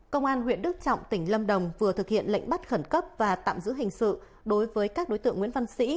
công an huyện đức trọng tỉnh lâm đồng vừa thực hiện lệnh bắt khẩn cấp và tạm giữ hình sự đối với các đối tượng nguyễn văn sĩ